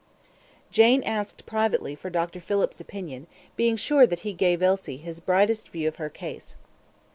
Jane asked privately for Dr. Phillips's opinion, being sure that he gave Elsie his brightest view of her case.